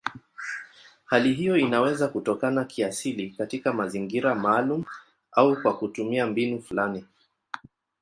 Hali hiyo inaweza kutokea kiasili katika mazingira maalumu au kwa kutumia mbinu fulani.